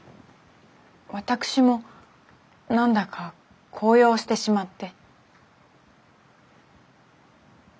私も何だか高揚してしまって。